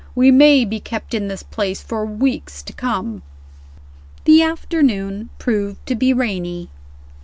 We may be kept in this place for weeks to come." The afternoon proved to be rainy.